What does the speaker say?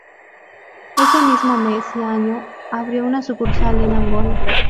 Ese mismo mes y año abrió una sucursal en Angola.